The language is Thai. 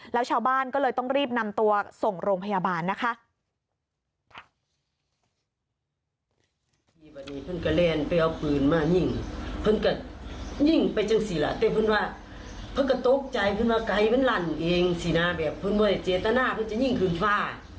แล้วชาวบ้านก็เลยต้องรีบนำตัวส่งโรงพยาบาลนะคะ